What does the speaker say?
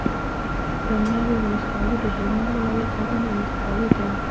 دناوی ولسوالي دهلمند ولایت اړوند ولسوالي ده